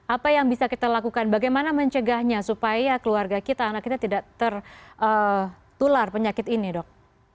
apa yang bisa kita lakukan bagaimana mencegahnya supaya keluarga kita anak kita tidak tertular penyakit ini dok